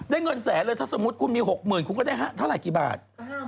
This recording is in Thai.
เงินแสนเลยถ้าสมมุติคุณมี๖๐๐๐คุณก็ได้เท่าไหร่กี่บาท